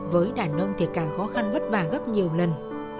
với đàn nông thì càng khó khăn vất vả gấp nhiều lần